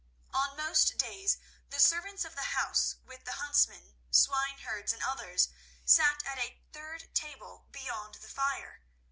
On most days the servants of the house, with the huntsmen, swineherds, and others, sat at a third table beyond the fire.